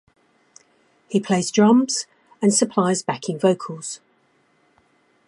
He plays the drums and supplies backing vocals.